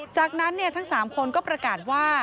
จากนั้นทั้ง๓คนก็ประกาศว่า